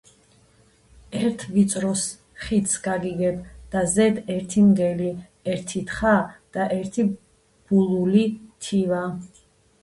ერთ ვიწროს ხიდს გაგიდებ და ზედ ერთი მგელი, ერთი თხა და ერთი ბულული თივა